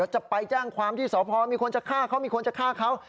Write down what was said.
จะไปแจ้งความที่สพมีคนจะฆ่าเขามีคนจะฆ่าเขา